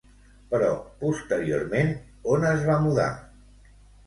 Però posteriorment on es va mudar?